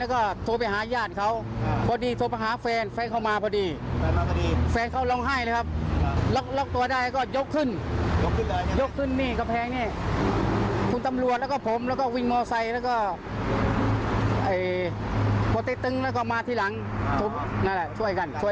แล้วก็โทรไปหาญาติเขามาพอดีคำพาสภาพแฟนเขามีฟันเค้าร้องไห้ลอกตัวได้ยกขึ้นยกขึ้นค่ะแฟนี้ค่ะก้อเทุ้จุ